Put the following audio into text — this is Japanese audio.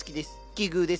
奇遇ですね。